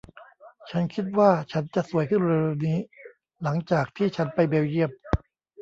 ฉันคิดว่าฉันจะสวยขึ้นเร็ว ๆ นี้หลังจากที่ฉันไปเบลเยี่ยม